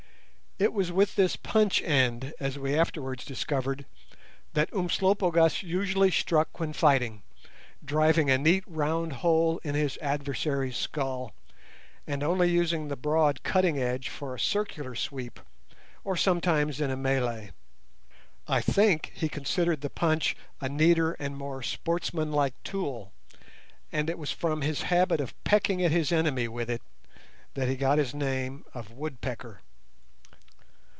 It was with this punch end, as we afterwards discovered, that Umslopogaas usually struck when fighting, driving a neat round hole in his adversary's skull, and only using the broad cutting edge for a circular sweep, or sometimes in a mêlée. I think he considered the punch a neater and more sportsmanlike tool, and it was from his habit of pecking at his enemy with it that he got his name of "Woodpecker".